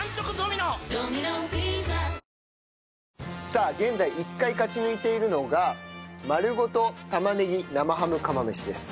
さあ現在１回勝ち抜いているのが丸ごと玉ねぎ生ハム釜飯です。